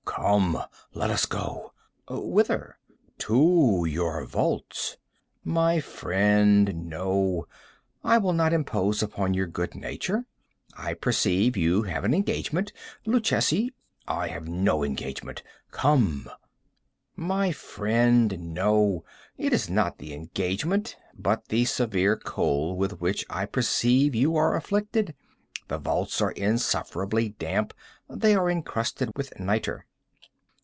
"Come, let us go." "Whither?" "To your vaults." "My friend, no; I will not impose upon your good nature. I perceive you have an engagement. Luchesi—" "I have no engagement;—come." "My friend, no. It is not the engagement, but the severe cold with which I perceive you are afflicted. The vaults are insufferably damp. They are encrusted with nitre."